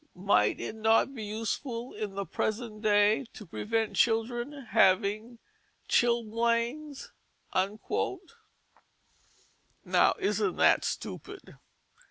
Might it not be useful in the present day to prevent children having chilblains?" Now isn't that stupid?